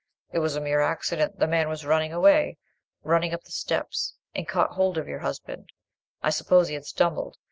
"It was a mere accident. The man was running away—running up the steps, and caught hold of your husband: I suppose he had stumbled.